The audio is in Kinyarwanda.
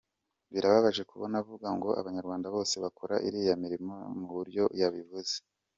Birababaje kubona avuga ngo abanyarwanda bose bakora iriya mirimo mu buryo yabivuze.